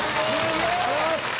ありがとうございます。